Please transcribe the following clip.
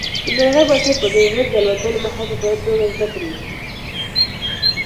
د مرغۍ بچي به ډېر ژر د الوتلو مهارت په پوره توګه زده کړي.